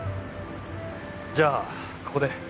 じゃあここで。